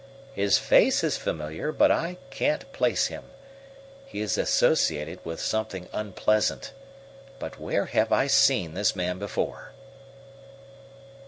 His face is familiar, but I can't place him. He is associated with something unpleasant. But where have I seen this man before?"